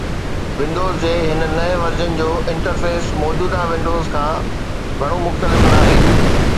windows جي هن نئين ورجن جو انٽرفيس موجوده ونڊوز کان گهڻو مختلف ناهي